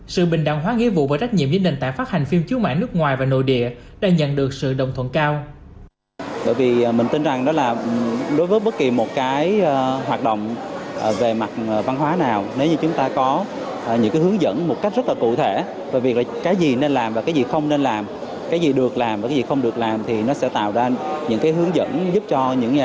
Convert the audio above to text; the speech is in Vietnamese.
sự bình đẳng hóa nghĩa vụ bởi trách nhiệm với nền tảng phát hành phim chứa mạng nước ngoài và nội địa đã nhận được sự đồng thuận cao